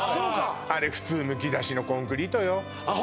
あれ普通むき出しのコンクリートよあっ